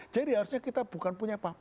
jadi harusnya kita bukan punya pak